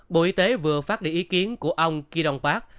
bộ y tế vừa phát đi ý kiến của ông kỳ đồng pháp